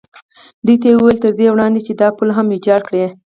دوی ته مې وویل: تر دې وړاندې چې دا پل هم ویجاړ کړي.